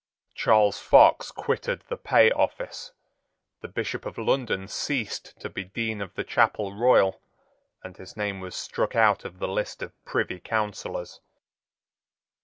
Charles Fox quitted the Pay Office. The Bishop of London ceased to be Dean of the Chapel Royal, and his name was struck out of the list of Privy Councillors.